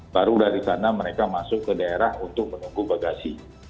baru dari sana mereka masuk ke daerah untuk menunggu bagasi